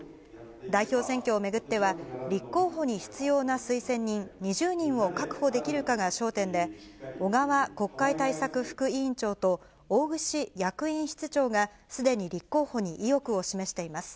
代表選挙を巡っては、立候補に必要な推薦人２０人を確保できるかが焦点で、小川国会対策副委員長と、大串役員室長が、すでに立候補に意欲を示しています。